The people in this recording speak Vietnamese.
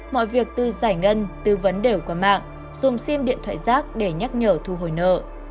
mọi việc từ giải ngân tư vấn đều qua mạng dùng sim điện thoại rác để nhắc nhở thu hồi nợ